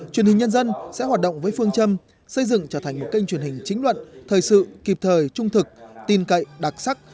truyền hình nhân dân sẽ hoạt động với phương châm xây dựng trở thành một kênh truyền hình chính luận thời sự kịp thời trung thực tin cậy đặc sắc